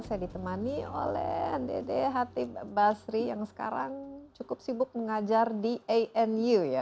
saya ditemani oleh dede hatip basri yang sekarang cukup sibuk mengajar di anu ya